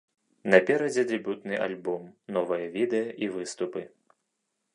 Наперадзе дэбютны альбом, новыя відэа і выступы!